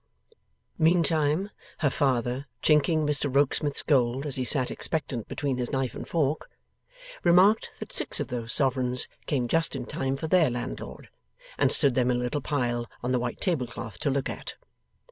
Meantime her father, chinking Mr Rokesmith's gold as he sat expectant between his knife and fork, remarked that six of those sovereigns came just in time for their landlord, and stood them in a little pile on the white tablecloth to look at.